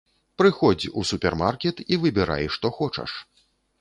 Прыходзь у супермаркет і выбірай, што хочаш.